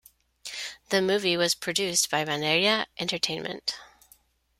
The movie was produced by Bandeira Entertainment.